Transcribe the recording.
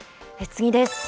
次です。